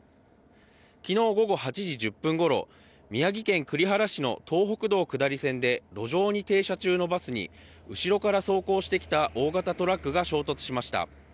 昨日午後８時１０分ごろ、宮城県栗原市の東北道下り線で路上に停車中のバスに後ろから走行してきた大型トラックが衝突しました。